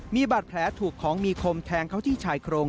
มีบาดแผลถูกของมีคมแทงเขาที่ชายโครง